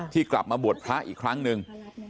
ที่กลับมาบวชพระอ๋อยอีกครั้งหนึ่ง